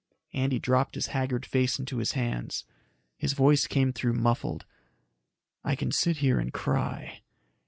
Andy dropped his haggard face into his hands. His voice came through muffled. "I can sit here and cry."